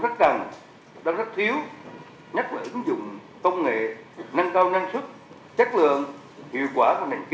rất cần đang rất thiếu nhất là ứng dụng công nghệ nâng cao năng suất chất lượng hiệu quả của nền kinh